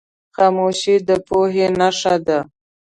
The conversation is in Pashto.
خاموشي، د پوهې نښه ده.